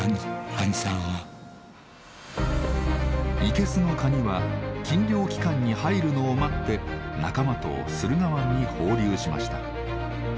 生けすのカニは禁漁期間に入るのを待って仲間と駿河湾に放流しました。